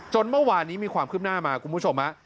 เมื่อวานนี้มีความคืบหน้ามาคุณผู้ชม